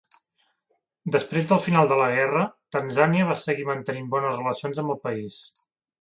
Després del final de la guerra, Tanzània va seguir mantenint bones relacions amb el país.